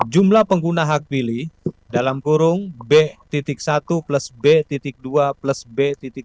jumlah pengguna hak pilih dalam kurung b satu plus b dua plus b tiga